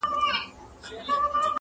او یوازي هغه څوک هلته پایېږي؛